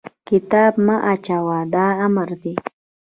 کتاب مه اچوه! دا امر دی.